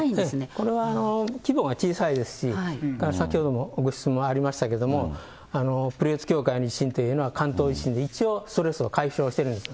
これは規模が小さいですし、先ほどもご質問ありましたけれども、プレート境界の地震というのは、関東地震で一応ストレスが解消してるんです。